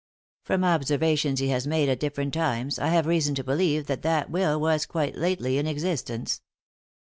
From observations he has made at differ ent times, I have reason to believe that that will was quite lately in existence.